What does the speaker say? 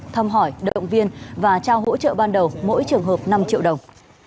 thăm hỏi động viên và trao hỗ trợ ban đầu mỗi trường hợp năm triệu đồng